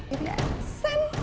ini ada send